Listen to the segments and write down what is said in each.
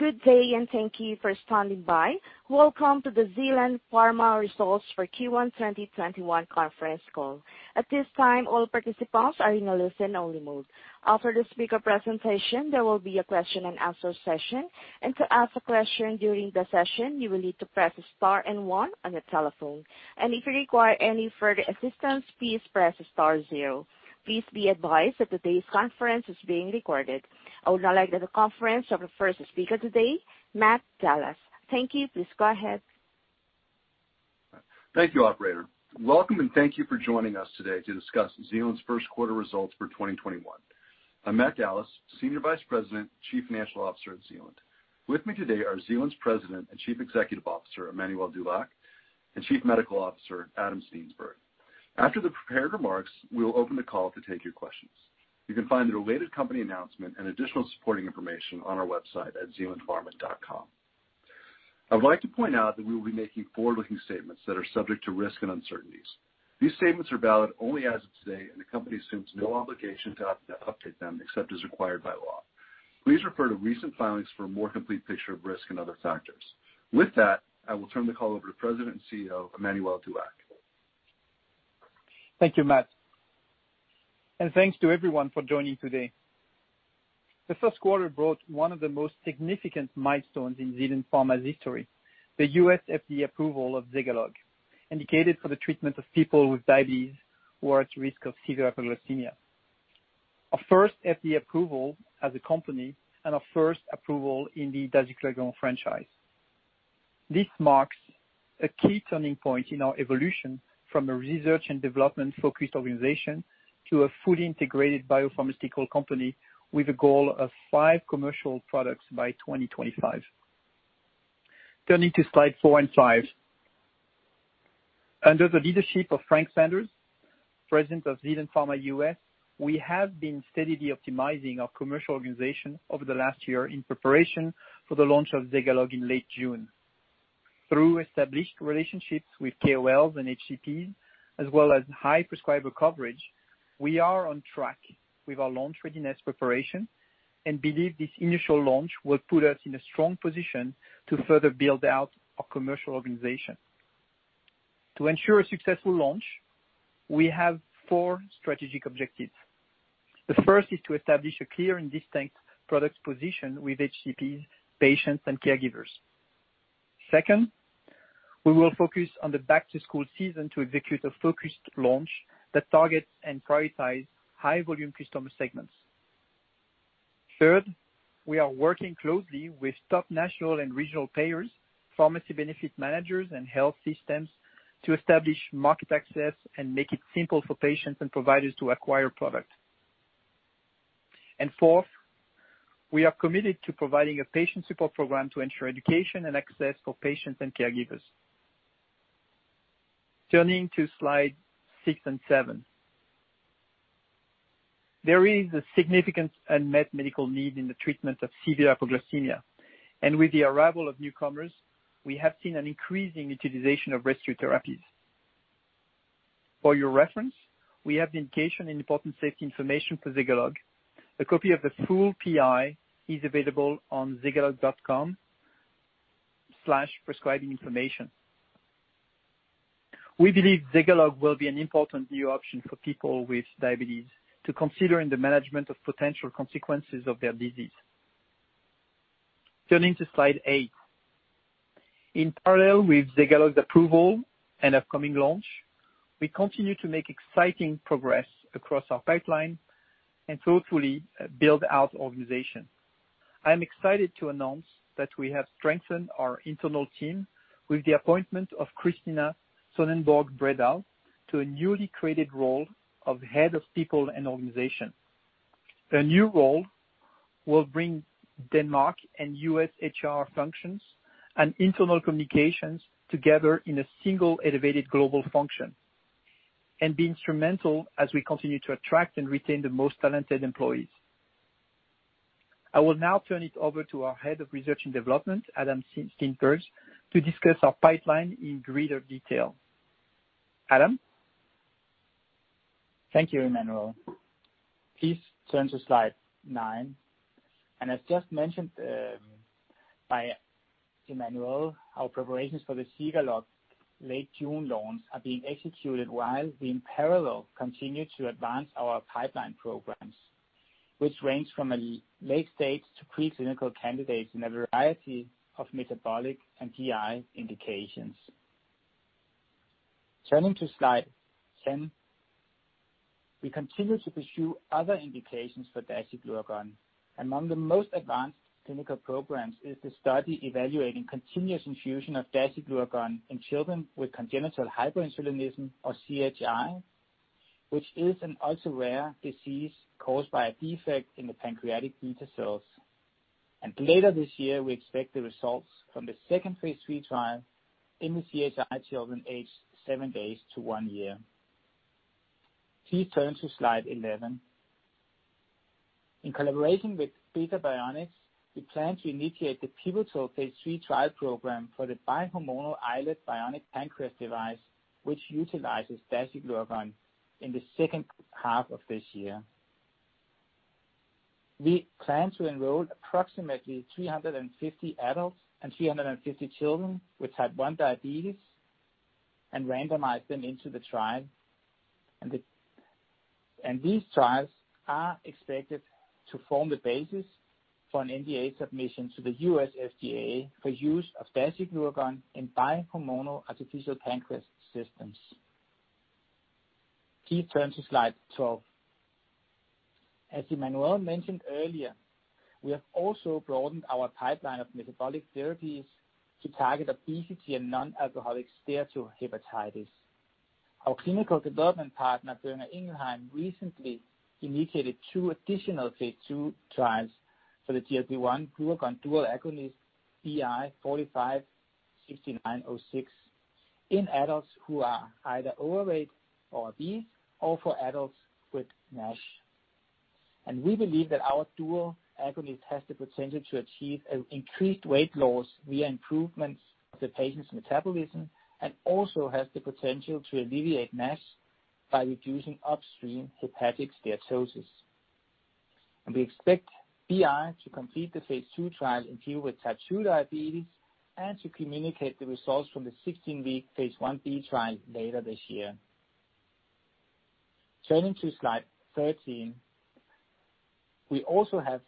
Good day, and thank you for standing by. Welcome to the Zealand Pharma results for Q1 2021 conference call. At this time, all participants are in a listen-only mode. After the speaker presentation, there will be a question and answer session. To ask a question during the session, you will need to press star and one on your telephone. If you require any further assistance, please press star zero. Please be advised that today's conference is being recorded. I would now like the conference of the first speaker today, Matt Dallas. Thank you. Please go ahead. Thank you, operator. Welcome, and thank you for joining us today to discuss Zealand's first quarter results for 2021. I'm Matt Dallas, Senior Vice President, Chief Financial Officer at Zealand. With me today are Zealand's President and Chief Executive Officer, Emmanuel Dulac, and Chief Medical Officer, Adam Steensberg. After the prepared remarks, we will open the call to take your questions. You can find the related company announcement and additional supporting information on our website at zealandpharma.com. I would like to point out that we will be making forward-looking statements that are subject to risk and uncertainties. These statements are valid only as of today. The company assumes no obligation to update them except as required by law. Please refer to recent filings for a more complete picture of risk and other factors. With that, I will turn the call over to President and CEO, Emmanuel Dulac. Thank you, Matt, and thanks to everyone for joining today. The first quarter brought one of the most significant milestones in Zealand Pharma's history, the U.S. FDA approval of ZEGALOGUE, indicated for the treatment of people with diabetes who are at risk of severe hypoglycemia. Our first FDA approval as a company and our first approval in the dasiglucagon franchise. This marks a key turning point in our evolution from a research and development-focused organization to a fully integrated biopharmaceutical company with a goal of five commercial products by 2025. Turning to slide four and five. Under the leadership of Frank Sanders, President of Zealand Pharma US, we have been steadily optimizing our commercial organization over the last year in preparation for the launch of ZEGALOGUE in late June. Through established relationships with KOLs and HCPs, as well as high prescriber coverage, we are on track with our launch readiness preparation and believe this initial launch will put us in a strong position to further build out our commercial organization. To ensure a successful launch, we have four strategic objectives. The first is to establish a clear and distinct product position with HCPs, patients, and caregivers. Second, we will focus on the back-to-school season to execute a focused launch that targets and prioritize high-volume customer segments. Third, we are working closely with top national and regional payers, Pharmacy Benefit Managers, and health systems to establish market access and make it simple for patients and providers to acquire product. Fourth, we are committed to providing a patient support program to ensure education and access for patients and caregivers. Turning to slide six and seven. There is a significant unmet medical need in the treatment of severe hypoglycemia, and with the arrival of newcomers, we have seen an increasing utilization of rescue therapies. For your reference, we have the indication in important safety information for ZEGALOGUE. A copy of the full PI is available on zegalogue.com/prescribinginformation. We believe ZEGALOGUE will be an important new option for people with diabetes to consider in the management of potential consequences of their disease. Turning to slide eight. In parallel with ZEGALOGUE's approval and upcoming launch, we continue to make exciting progress across our pipeline and thoughtfully build out organization. I'm excited to announce that we have strengthened our internal team with the appointment of Christina Sonnenborg Bredal to a newly created role of Head of People and Organization. Her new role will bring Denmark and U.S. HR functions and internal communications together in a single elevated global function and be instrumental as we continue to attract and retain the most talented employees. I will now turn it over to our Head of Research and Development, Adam Steensberg, to discuss our pipeline in greater detail. Adam? Thank you, Emmanuel. Please turn to slide nine. As just mentioned, by Emmanuel, our preparations for the ZEGALOGUE late June launch are being executed while we, in parallel, continue to advance our pipeline programs, which range from a late stage to pre-clinical candidates in a variety of metabolic and GI indications. Turning to slide 10. We continue to pursue other indications for dasiglucagon. Among the most advanced clinical programs is the study evaluating continuous infusion of dasiglucagon in children with congenital hyperinsulinism, or CHI, which is an ultra-rare disease caused by a defect in the pancreatic beta cells. Later this year, we expect the results from the second phase III trial in the CHI children aged seven days to one year. Please turn to slide 11. In collaboration with Beta Bionics, we plan to initiate the pivotal phase III trial program for the bi-hormonal iLet Bionic Pancreas device, which utilizes dasiglucagon, in the second half of this year. We plan to enroll approximately 350 adults and 350 children with type 1 diabetes and randomize them into the trial. These trials are expected to form the basis for an NDA submission to the U.S. FDA for use of dasiglucagon in bihormonal artificial pancreas systems. Please turn to slide 12. As Emmanuel mentioned earlier, we have also broadened our pipeline of metabolic therapies to target obesity and non-alcoholic steatohepatitis. Our clinical development partner, Boehringer Ingelheim, recently initiated two additional phase II trials for the GLP-1/glucagon dual agonist BI 456906 in adults who are either overweight or obese, or for adults with NASH. We believe that our dual agonist has the potential to achieve an increased weight loss via improvements of the patient's metabolism, also has the potential to alleviate NASH by reducing upstream hepatic steatosis. We expect BI to complete the phase II trial in people with type 2 diabetes and to communicate the results from the 16-week phase I-B trial later this year. Turning to slide 13. We also have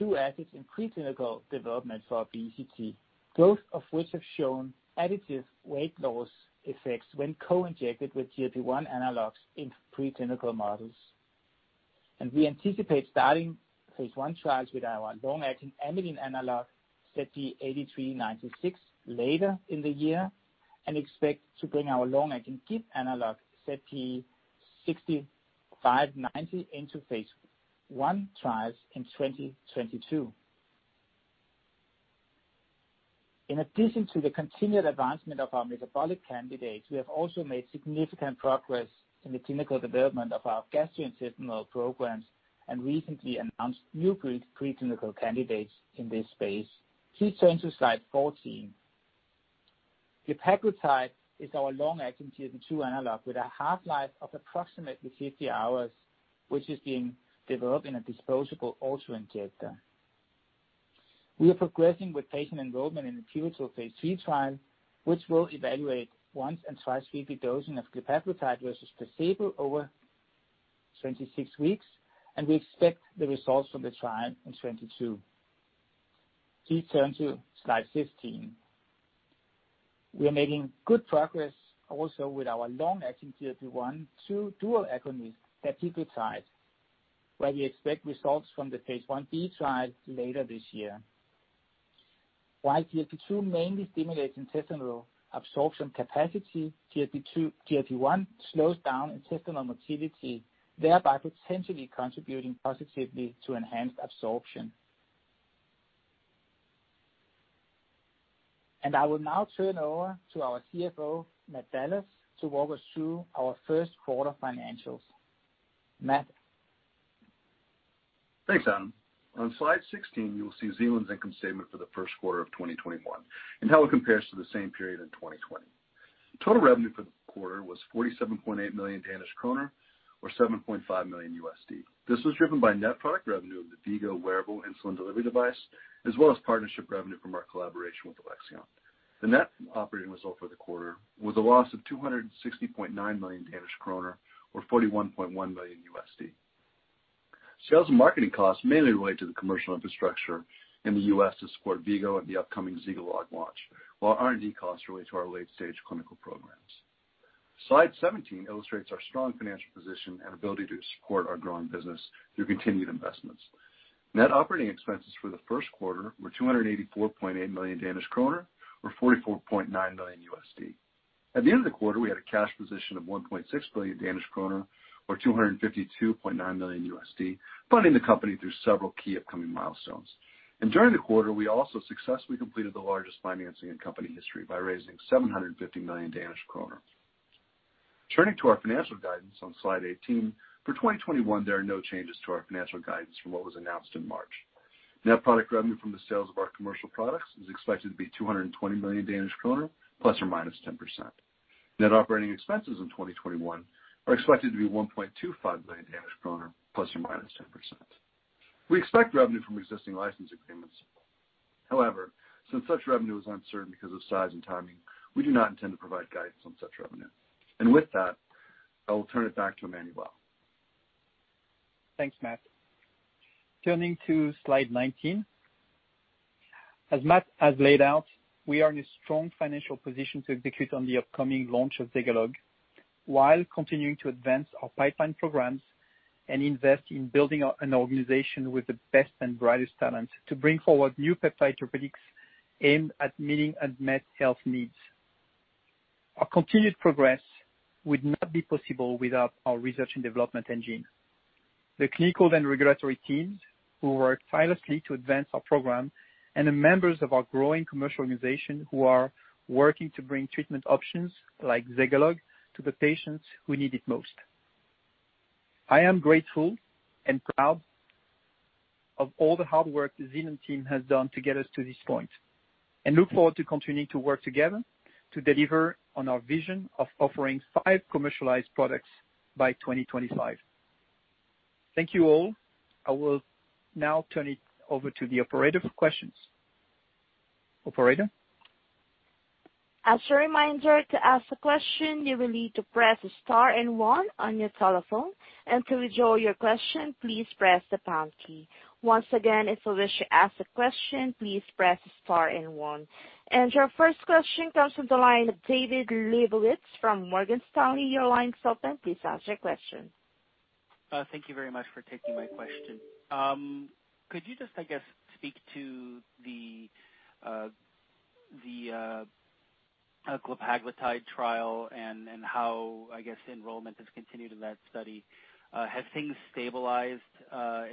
two assets in preclinical development for obesity, both of which have shown additive weight loss effects when co-injected with GLP-1 analogs in preclinical models. We anticipate starting phase I trials with our long-acting amylin analog ZP8396 later in the year, expect to bring our long-acting GIP receptor agonist, ZP6590, into phase I trials in 2022. In addition to the continued advancement of our metabolic candidates, we have also made significant progress in the clinical development of our gastrointestinal programs, and recently announced new great preclinical candidates in this space. Please turn to slide 14. Glepaglutide is our long-acting GLP-2 analog with a half-life of approximately 50 hours, which is being developed in a disposable auto-injector. We are progressing with patient enrollment in the pivotal phase III trial, which will evaluate once and twice weekly dosing of glepaglutide versus placebo over 26 weeks. We expect the results from the trial in 2022. Please turn to slide 15. We are making good progress also with our long-acting GLP-1/GLP-2 dual agonist, dapiglutide, where we expect results from the phase I-B trial later this year. While GLP-2 mainly stimulates intestinal absorption capacity, GLP-1 slows down intestinal motility, thereby potentially contributing positively to enhanced absorption. I will now turn over to our CFO, Matt Dallas, to walk us through our first quarter financials. Matt? Thanks, Adam. On slide 16, you will see Zealand's income statement for the first quarter of 2021 and how it compares to the same period in 2020. Total revenue for the quarter was 47.8 million Danish kroner, or $7.5 million. This was driven by net product revenue of the V-Go wearable insulin delivery device, as well as partnership revenue from our collaboration with Alexion. The net operating result for the quarter was a loss of 260.9 million Danish kroner, or $41.1 million. Sales and marketing costs mainly relate to the commercial infrastructure in the U.S. to support V-Go and the upcoming ZEGALOGUE launch, while R&D costs relate to our late-stage clinical programs. Slide 17 illustrates our strong financial position and ability to support our growing business through continued investments. Net operating expenses for the first quarter were 284.8 million Danish kroner, or $44.9 million. At the end of the quarter, we had a cash position of 1.6 billion Danish kroner, or $252.9 million, funding the company through several key upcoming milestones. During the quarter, we also successfully completed the largest financing in company history by raising 750 million Danish kroner. Turning to our financial guidance on Slide 18, for 2021, there are no changes to our financial guidance from what was announced in March. Net product revenue from the sales of our commercial products is expected to be 220 million Danish kroner, ±10%. Net operating expenses in 2021 are expected to be 1.25 billion DKK, ±10%. We expect revenue from existing license agreements. However, since such revenue is uncertain because of size and timing, we do not intend to provide guidance on such revenue. With that, I will turn it back to Emmanuel. Thanks, Matt. Turning to slide 19. As Matt has laid out, we are in a strong financial position to execute on the upcoming launch of ZEGALOGUE while continuing to advance our pipeline programs and invest in building an organization with the best and brightest talent to bring forward new peptide therapeutics aimed at meeting unmet health needs. Our continued progress would not be possible without our research and development engine, the clinical and regulatory teams who work tirelessly to advance our program, and the members of our growing commercial organization who are working to bring treatment options like ZEGALOGUE to the patients who need it most. I am grateful and proud of all the hard work the Zealand team has done to get us to this point. Look forward to continuing to work together to deliver on our vision of offering five commercialized products by 2025. Thank you all. I will now turn it over to the operator for questions. Operator? As a reminder, to ask a question, you will need to press star and one on your telephone, and to withdraw your question, please press the pound key. Once again, if you wish to ask a question, please press star and one. Your first question comes from the line of David Lebowitz from Morgan Stanley. Your line's open. Please ask your question. Thank you very much for taking my question. Could you just, I guess, speak to the glepaglutide trial and how, I guess, enrollment has continued in that study? Have things stabilized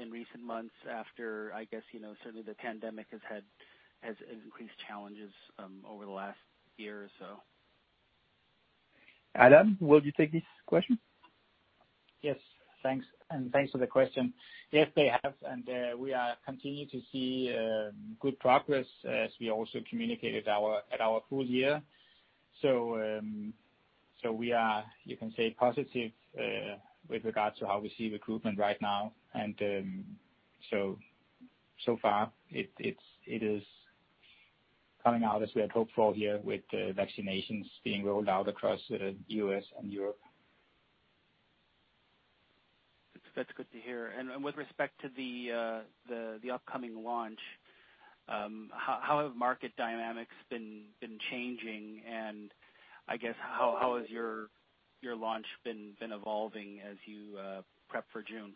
in recent months after, I guess, certainly the pandemic has increased challenges over the last year or so? Adam, will you take this question? Yes, thanks. Thanks for the question. Yes, they have, and we are continuing to see good progress as we also communicated at our full year. We are, you can say, positive with regards to how we see recruitment right now. So far it is coming out as we had hoped for here with vaccinations being rolled out across the U.S. and Europe. That's good to hear. With respect to the upcoming launch, how have market dynamics been changing, and I guess, how has your launch been evolving as you prep for June?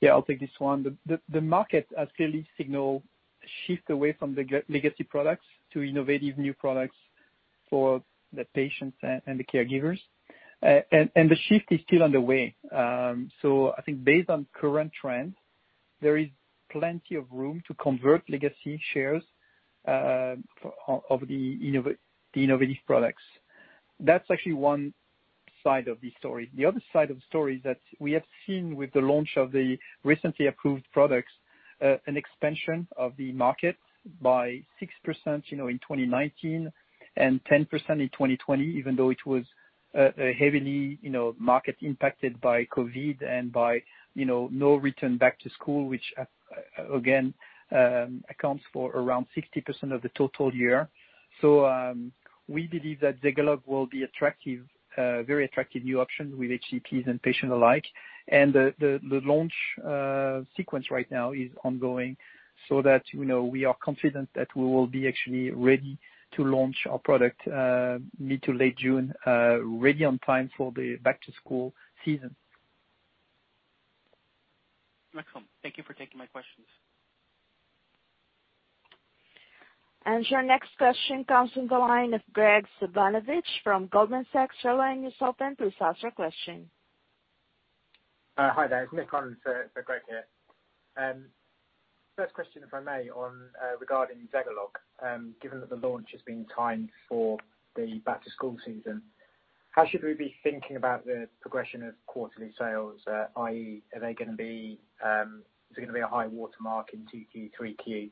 Yeah, I'll take this one. The market has clearly signaled a shift away from the legacy products to innovative new products for the patients and the caregivers. The shift is still underway. I think based on current trends, there is plenty of room to convert legacy shares of the innovative products. That's actually one side of the story. The other side of the story that we have seen with the launch of the recently approved products, an expansion of the market by 6% in 2019 and 10% in 2020, even though it was heavily market impacted by COVID and by no return back to school, which again, accounts for around 60% of the total year. We believe that ZEGALOGUE will be a very attractive new option with HCPs and patients alike. The launch sequence right now is ongoing so that we are confident that we will be actually ready to launch our product mid to late June, ready on time for the back to school season. Excellent. Thank you for taking my questions. Your next question comes from the line of Graig Suvannavejh from Goldman Sachs. Your line is open. Please ask your question. Hi there. It's Nick on for Graig here. First question, if I may, on regarding ZEGALOGUE. Given that the launch has been timed for the back to school season, how should we be thinking about the progression of quarterly sales, i.e., is it going to be a high water mark in 2Q, 3Q,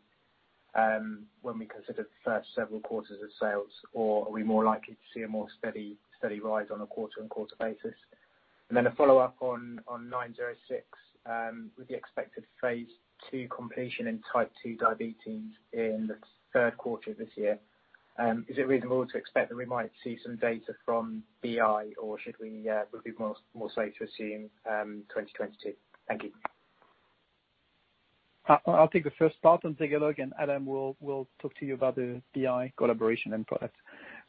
when we consider the first several quarters of sales? Are we more likely to see a more steady rise on a quarter-on-quarter basis? A follow-up on BI 456906, with the expected phase II completion in type 2 diabetes in the third quarter of this year. Is it reasonable to expect that we might see some data from Boehringer Ingelheim, or would be more safe to assume 2022? Thank you. I'll take the first part on ZEGALOGUE, and Adam will talk to you about the BI collaboration and product.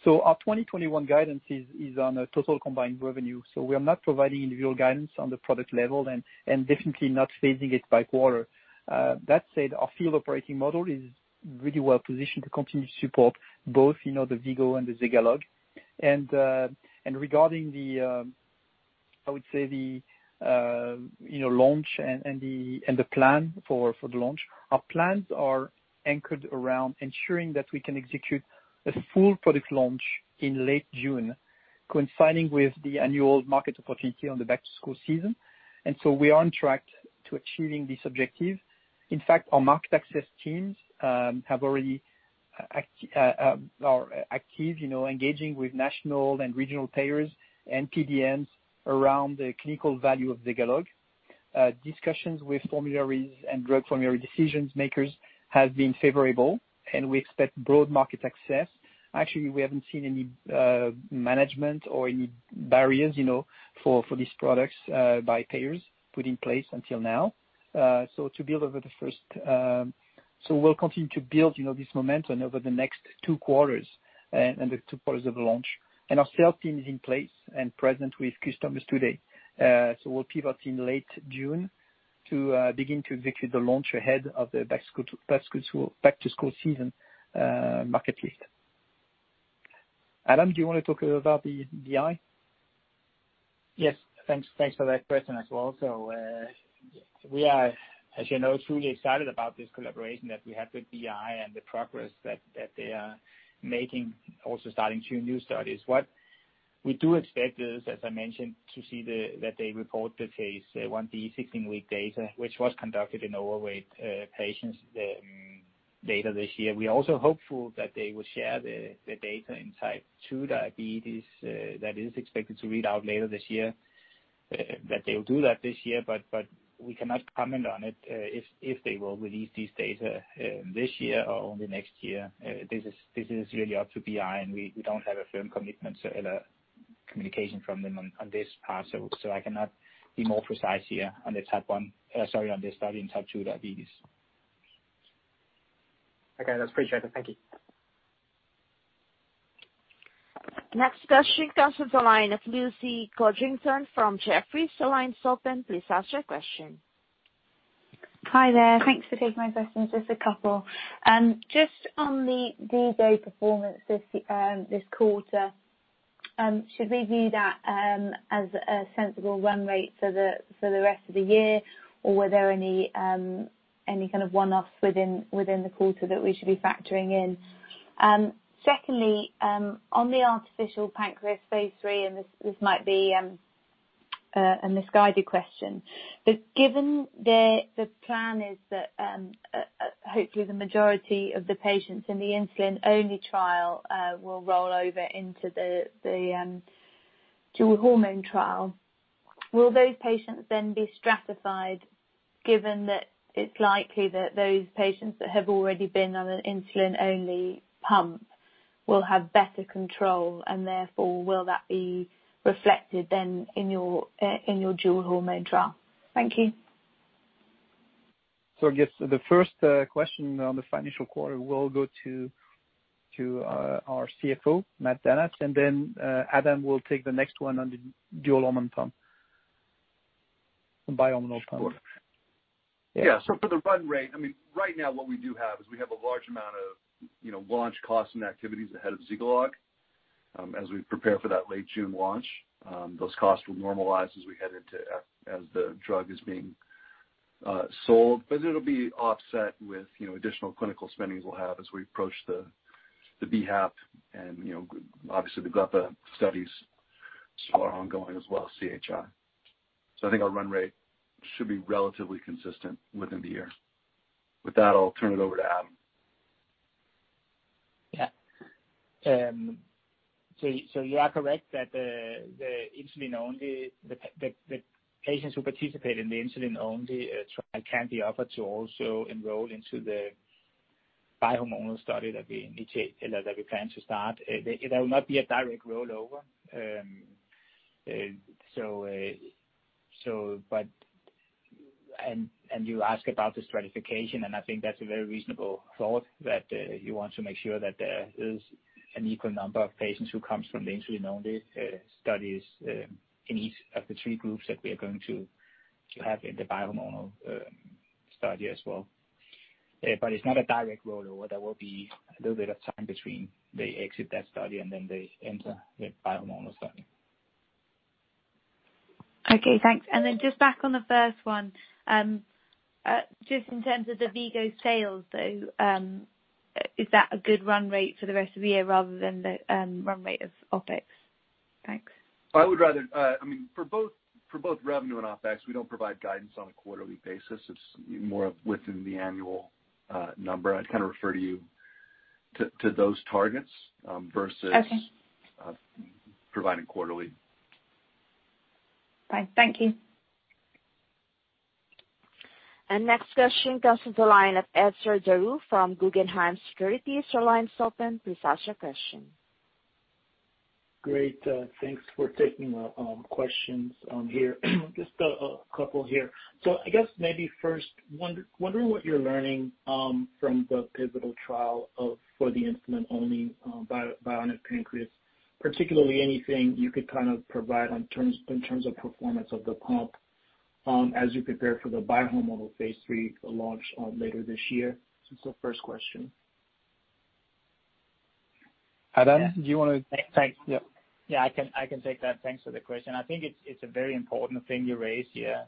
Our 2021 guidance is on a total combined revenue. We are not providing individual guidance on the product level and definitely not phasing it by quarter. That said, our field operating model is really well-positioned to continue to support both the V-Go and the ZEGALOGUE. Regarding the launch and the plan for the launch. Our plans are anchored around ensuring that we can execute a full product launch in late June, coinciding with the annual market opportunity on the back to school season. We are on track to achieving this objective. In fact, our market access teams are active, engaging with national and regional payers and PBMs around the clinical value of ZEGALOGUE. Discussions with formularies and drug formulary decisions makers have been favorable. We expect broad market access. Actually, we haven't seen any management or any barriers for these products by payers put in place until now. We'll continue to build this momentum over the next two quarters and the two quarters of the launch. Our sales team is in place and present with customers today. We'll pivot in late June to begin to execute the launch ahead of the back to school season market list. Adam, do you want to talk a little about the BI? Yes, thanks for that question as well. We are, as you know, truly excited about this collaboration that we have with BI and the progress that they are making, also starting two new studies. We do expect this, as I mentioned, to see that they report the phase I-B 16-week data, which was conducted in overweight patients later this year. We are also hopeful that they will share the data in type 2 diabetes that is expected to read out later this year, that they will do that this year. We cannot comment on it if they will release these data this year or only next year. This is really up to BI, and we don't have a firm commitment or communication from them on this part, so I cannot be more precise here on the study in type 2 diabetes. Okay. That's appreciated. Thank you. Next question comes from the line of Lucy Codrington from Jefferies. The line's open. Please ask your question. Hi there. Thanks for taking my questions, just a couple. On the ZEGALOGUE performance this quarter, should we view that as a sensible run rate for the rest of the year, or were there any kind of one-offs within the quarter that we should be factoring in? Secondly, on the bihormonal artificial pancreas phase III, and this might be a misguided question, but given the plan is that hopefully the majority of the patients in the insulin-only trial will roll over into the bihormonal trial, will those patients then be stratified, given that it's likely that those patients that have already been on an insulin-only pump will have better control, and therefore, will that be reflected then in your bihormonal trial? Thank you. I guess the first question on the financial quarter will go to our CFO, Matt Dallas, and then Adam will take the next one on the dual-hormone pump. The bi-hormonal pump. Sure. Yeah. For the run rate, right now what we do have is we have a large amount of launch costs and activities ahead of ZEGALOGUE. As we prepare for that late June launch, those costs will normalize as the drug is being sold. It'll be offset with additional clinical spendings we'll have as we approach the BIHAP and obviously the glepa studies are ongoing as well as CHI. I think our run rate should be relatively consistent within the year. With that, I'll turn it over to Adam. Yeah. You are correct that the patients who participate in the insulin-only trial can be offered to also enroll into the bi-hormonal study that we plan to start. There will not be a direct rollover. You ask about the stratification, and I think that's a very reasonable thought, that you want to make sure that there is an equal number of patients who comes from the insulin-only studies in each of the three groups that we are going to have in the bi-hormonal study as well. It's not a direct rollover. There will be a little bit of time between they exit that study, and then they enter the bi-hormonal study. Okay, thanks. Just back on the first one. Just in terms of the V-Go's sales, though, is that a good run rate for the rest of the year rather than the run rate of OpEx? Thanks. For both revenue and OpEx, we don't provide guidance on a quarterly basis. It's more within the annual number. I'd refer you to those targets. Okay providing quarterly. All right. Thank you. Next question comes to the line of Etzer Darout from Guggenheim Securities. Your line's open. Please ask your question. Great. Thanks for taking questions here. Just a couple here. I guess maybe first, wondering what you're learning from the pivotal trial for the insulin-only bionic pancreas. Particularly anything you could provide in terms of performance of the pump as you prepare for the bihormonal phase III launch later this year? This is the first question. Adam, do you want to take? Thanks. Yeah, I can take that. Thanks for the question. I think it's a very important thing you raised here.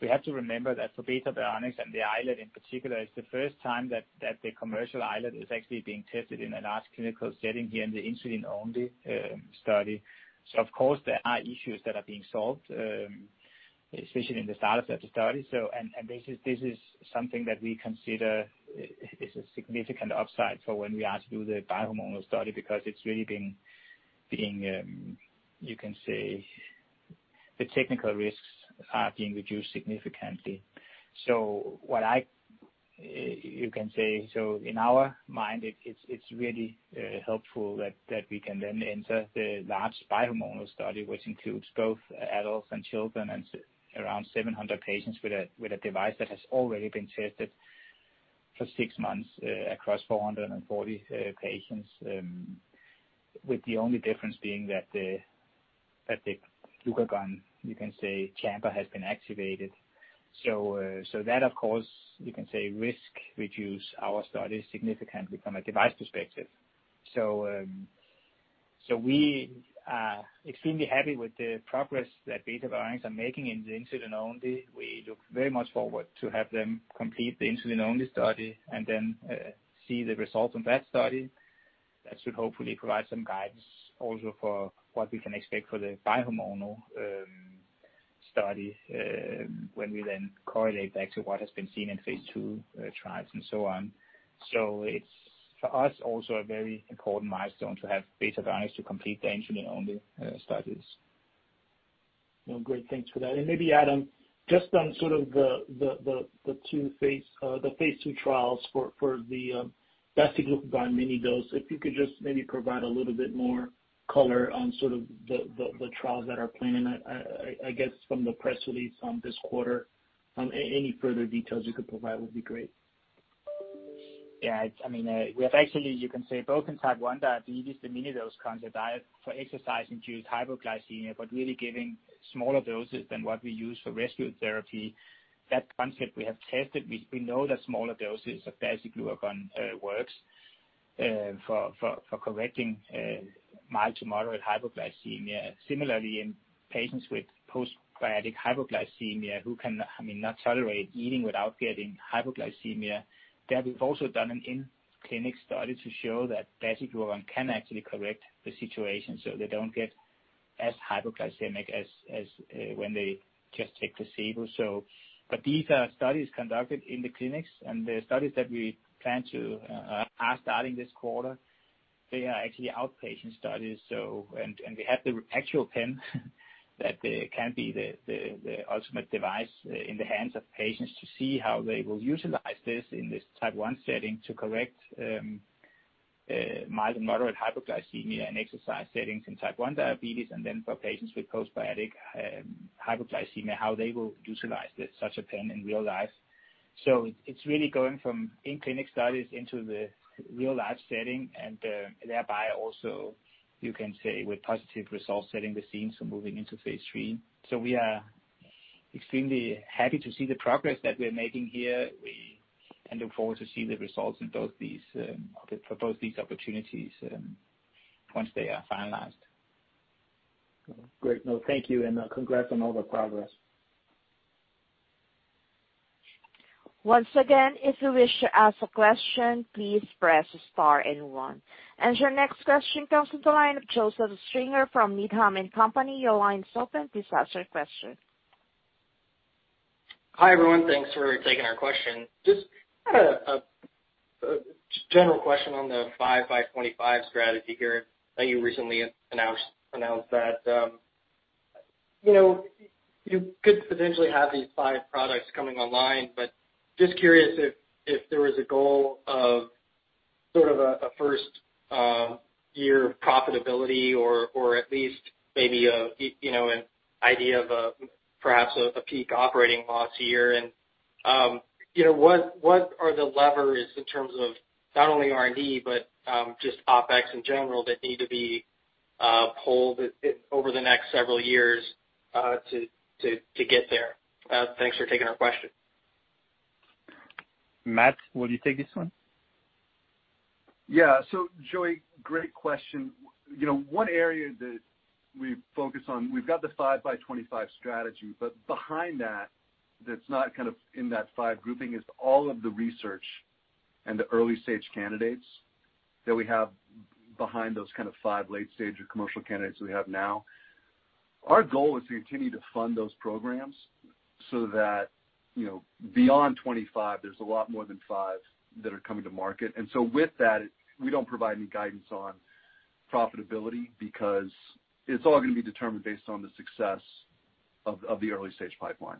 We have to remember that for Beta Bionics and the iLet in particular, it's the first time that the commercial iLet is actually being tested in a large clinical setting here in the insulin-only study. Of course, there are issues that are being solved, especially in the setup of the study. This is something that we consider is a significant upside for when we are to do the bi-hormonal study, because the technical risks are being reduced significantly. In our mind, it is really helpful that we can then enter the large bihormonal study, which includes both adults and children, and around 700 patients with a device that has already been tested for six months across 440 patients, with the only difference being that the glucagon chamber has been activated. That, of course, risk reduce our study significantly from a device perspective. We are extremely happy with the progress that Beta Bionics are making in the insulin only. We look very much forward to have them complete the insulin-only study and then see the results of that study. That should hopefully provide some guidance also for what we can expect for the bihormonal study, when we then correlate back to what has been seen in phase II trials and so on. It's, for us, also a very important milestone to have beta device to complete the insulin-only studies. No, great. Thanks for that. Maybe, Adam, just on sort of the phase II trials for the dasiglucagon minidose, if you could just maybe provide a little bit more color on sort of the trials that are planning, I guess from the press release on this quarter, any further details you could provide would be great? Yeah. We have actually, you can say both in type 1 diabetes, the minidose concept for exercise-induced hypoglycemia, but really giving smaller doses than what we use for rescue therapy. That concept we have tested, we know that smaller doses of dasiglucagon works for correcting mild to moderate hypoglycemia. Similarly in patients with postprandial hypoglycemia, who cannot tolerate eating without getting hypoglycemia, there we've also done an in-clinic study to show that dasiglucagon can actually correct the situation, so they don't get as hypoglycemic as when they just take the placebo. These are studies conducted in the clinics, and the studies that we plan to are starting this quarter, they are actually outpatient studies. We have the actual pen that can be the ultimate device in the hands of patients to see how they will utilize this in this type 1 setting to correct mild and moderate hypoglycemia in exercise settings in type 1 diabetes and then for patients with postprandial hypoglycemia, how they will utilize such a pen in real life. It is really going from in-clinic studies into the real-life setting and thereby also, you can say with positive results, setting the scene for moving into phase III. We are extremely happy to see the progress that we are making here. We look forward to seeing the results for both these opportunities, once they are finalized. Great. No, thank you, and congrats on all the progress. Once again, if you wish to ask a question, please press star and one. Your next question comes from the line of Joseph Stringer from Needham & Company. Your line is open. Please ask your question. Hi, everyone. Thanks for taking our question. Just had a general question on the Five by '25 strategy here that you recently announced. You could potentially have these five products coming online. Just curious if there was a goal of sort of a first year profitability or at least maybe an idea of perhaps a peak operating loss year. What are the levers in terms of not only R&D, but just OpEx in general that need to be pulled over the next several years, to get there? Thanks for taking our question. Matt, will you take this one? Joey, great question. One area that we focus on, we've got the Five by '25 strategy, but behind that's not kind of in that five grouping is all of the research and the early-stage candidates that we have behind those kind of five late stage or commercial candidates we have now. Our goal is to continue to fund those programs so that beyond 2025, there's a lot more than five that are coming to market. With that, we don't provide any guidance on profitability because it's all going to be determined based on the success of the early-stage pipeline.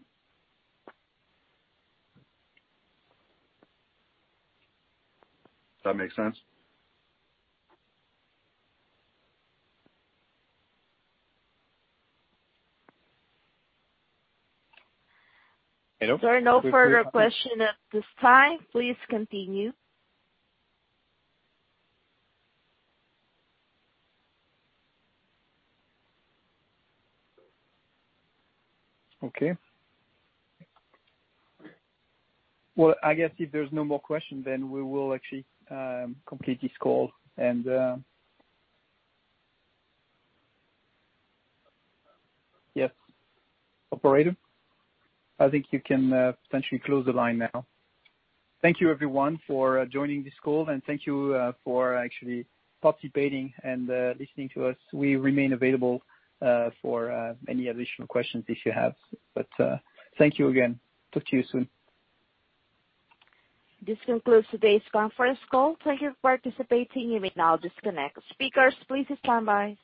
Does that make sense? Hello? There are no further questions at this time. Please continue. Okay. Well, I guess if there's no more questions, then we will actually complete this call. Yes. Operator, I think you can essentially close the line now. Thank you everyone for joining this call, and thank you for actually participating and listening to us. We remain available for any additional questions if you have, but thank you again. Talk to you soon. This concludes today's conference call. Thank you for participating. You may now disconnect. Speakers, please stand by.